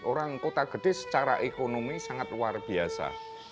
orang kota gede secara ekonomi sangat luar biasa